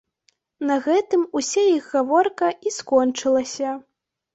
На гэтым уся іх гаворка і скончылася.